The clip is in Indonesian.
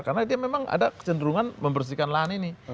karena dia memang ada cenderungan membersihkan lahan ini